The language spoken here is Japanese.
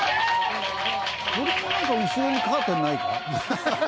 これもなんか後ろにカーテンないか？